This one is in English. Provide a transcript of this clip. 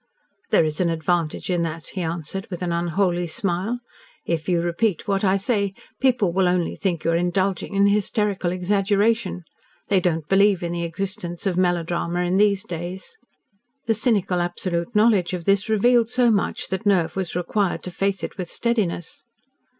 "There is an advantage in that," he answered, with an unholy smile. "If you repeat what I say, people will only think that you are indulging in hysterical exaggeration. They don't believe in the existence of melodrama in these days." The cynical, absolute knowledge of this revealed so much that nerve was required to face it with steadiness.